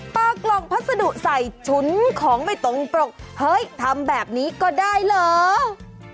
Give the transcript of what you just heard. กล่องพัสดุใส่ฉุนของไม่ตรงปรกเฮ้ยทำแบบนี้ก็ได้เหรอ